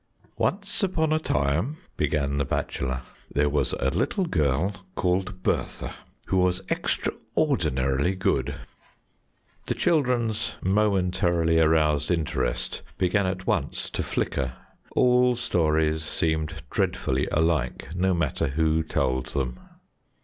"Once upon a time," began the bachelor, "there was a little girl called Bertha, who was extraordinarily good." The children's momentarily aroused interest began at once to flicker; all stories seemed dreadfully alike, no matter who told them.